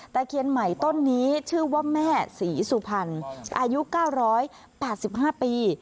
ตะเคียนใหม่ต้นนี้ชื่อว่าแม่ศรีสุพรรณอายุเก้าร้อยปากสิบห้าปี